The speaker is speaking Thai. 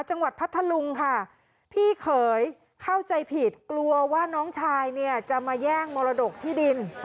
พัทธลุงค่ะพี่เขยเข้าใจผิดกลัวว่าน้องชายเนี่ยจะมาแย่งมรดกที่ดิน